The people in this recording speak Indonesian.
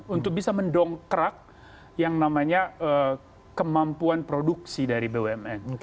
untuk bisa mendongkrak yang namanya kemampuan produksi dari bumn